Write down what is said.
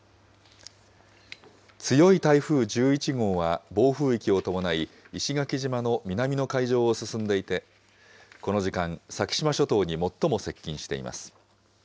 強い台風１１号は、暴風域を伴い、石垣島の南の海上を進んでいて、この時間、先島諸島に最も接近しています。